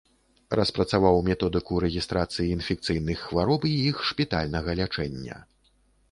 Распрацаваў методыку рэгістрацыі інфекцыйных хвароб і іх шпітальнага лячэння.